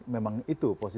memang itu posisi